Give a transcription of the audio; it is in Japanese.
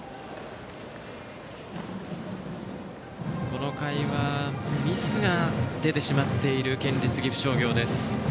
この回はミスが出てしまっている県立岐阜商業です。